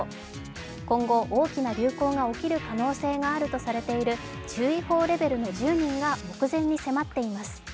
今後、大きな流行が起きる可能性があるとされている注意報レベルの１０人が目前に迫っています。